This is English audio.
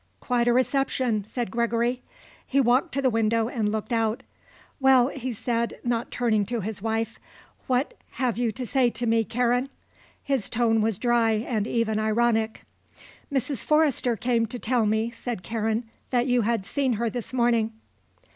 "Quite a reception," said Gregory. He walked to the window and looked out. "Well," he said, not turning to his wife, "what have you to say to me, Karen?" His tone was dry and even ironic. "Mrs. Forrester came to tell me," said Karen, "that you had seen her this morning."